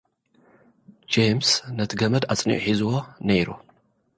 ጄምስ፡ ነቲ ገመድ ኣጽኒዑ ሒዝዎ ነይሩ።